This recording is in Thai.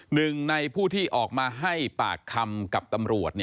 หนึ่งในผู้ที่ออกมาให้ปากคำกับตำรวจ